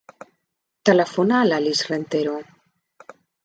Telefona a l'Alix Rentero.